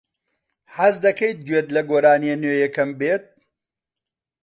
حەز دەکەیت گوێت لە گۆرانییە نوێیەکەم بێت؟